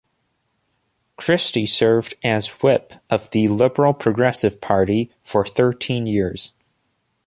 Christie served as whip of the Liberal-Progressive party for thirteen years.